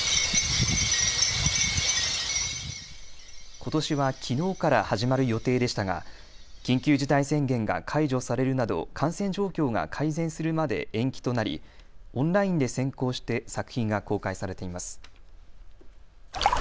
ことしはきのうから始まる予定でしたが緊急事態宣言が解除されるなど感染状況が改善するまで延期となりオンラインで先行して作品が公開されています。